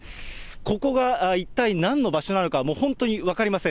ここが一体なんの場所なのか、もう本当に分かりません。